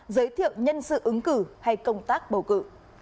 giới thiệu nhân sự ứng cử hay công tác bầu cử